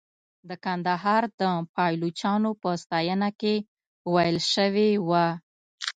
د کندهار د پایلوچانو په ستاینه کې ویل شوې وه.